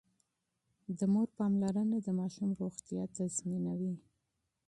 د مور پاملرنه د ماشوم روغتيا تضمينوي.